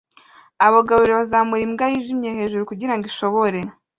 Abagabo babiri bazamura imbwa yijimye hejuru kugirango ishobore